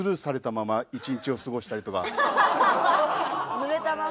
濡れたまま。